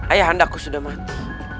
ayah handaku sudah mati